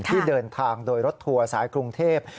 ที่เดินทางโดยรถทัวร์สายกรุงเทพ